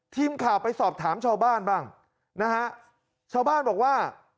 ทีมข่าวไปสอบถามชาวบ้านบ้างนะฮะชาวบ้านบอกว่า